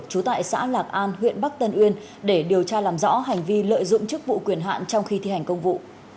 trú tại xã lạc an huyện bắc tân uyên để điều tra làm rõ hành vi lợi dụng chức vụ quyền hạn trong khi thi hành công vụ